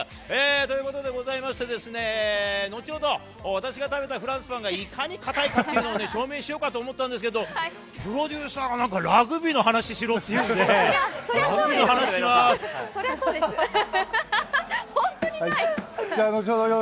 ということでございまして、後ほど、私が食べたフランスパンがいかにかたいかっていうのを証明しようかと思ったんですけど、プロデューサーがなんかラグビーの話しろそりゃそうですよ。